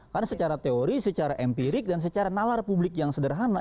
karena secara teori secara empirik dan secara nalar publik yang sederhana